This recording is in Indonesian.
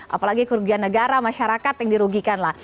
apalagi kerugian negara masyarakat yang dirugikan lah